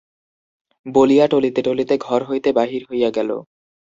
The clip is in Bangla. বলিয়া টলিতে টলিতে ঘর হইতে বাহির হইয়া গেল!